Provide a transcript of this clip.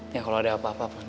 ya kalau ada apa apa